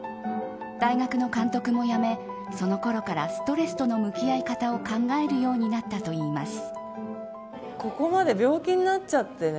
大学の監督も辞め、そのころからストレスとの向き合い方を考えるようになったといいます。